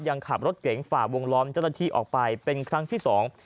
ยังขับรถเก๋งฝ่าวงล้อมเจ้าหน้าที่ออกไปเป็นครั้งที่สอง